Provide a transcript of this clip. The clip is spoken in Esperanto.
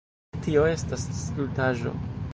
Tio estas stultaĵo.